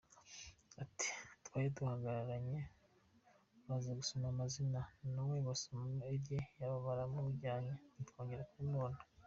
Ati “Twari duhagararanye, baza gusoma amazina na we basomamo irye baba baramujyanye, ntitwongeye kumubona.